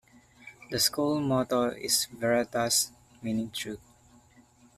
The school motto is Veritas, meaning truth.